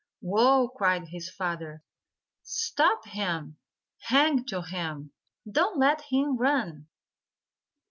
"Whoa!" cried his father. "Stop him! Hang to him! Don't let him run!"